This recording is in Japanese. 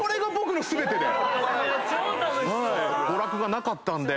娯楽がなかったんで。